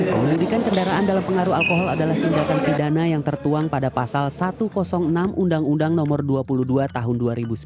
penyelidikan kendaraan dalam pengaruh alkohol adalah tindakan pidana yang tertuang pada pasal satu ratus enam undang undang no dua puluh dua tahun dua ribu sembilan